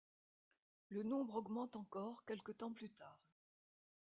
Le nombre augmente encore quelque temps plus tard.